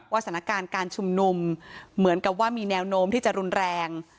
สถานการณ์การชุมนุมเหมือนกับว่ามีแนวโน้มที่จะรุนแรง